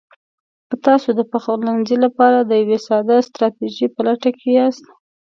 که تاسو د پخلنځي لپاره د یوې ساده ستراتیژۍ په لټه کې یاست: